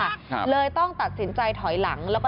กระทั่งตำรวจก็มาด้วยนะคะ